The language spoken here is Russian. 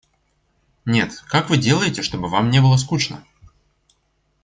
Нет, как вы делаете, чтобы вам не было скучно?